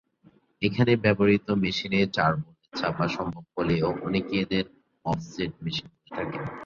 এখানে ব্যবহৃত মেশিনে চার বর্ণের ছাপা সম্ভব বলেও অনেকে এদের অফসেট মেশিন বলে থাকেন।